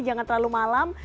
jangan terlalu malam